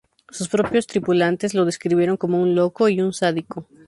Sus propios tripulantes lo describieron como un loco y un sádico.